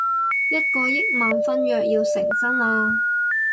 一個億萬婚約要成真喇